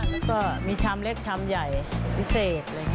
แล้วก็มีชามเล็กชามใหญ่พิเศษ